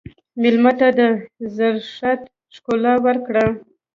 مېلمه ته د زړښت ښکلا ورکړه.